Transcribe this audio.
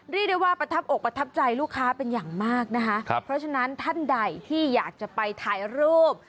เรียกได้ว่าประทับอกประทับใจลูกค้าเป็นอย่างมากนะคะครับเพราะฉะนั้นท่านใดที่อยากจะไปถ่ายรูป